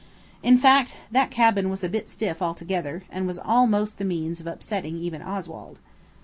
In fact, that cabin was a bit stiff altogether, and was almost the means of upsetting even Oswald.